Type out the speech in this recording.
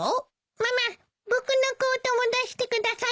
ママ僕のコートも出してください。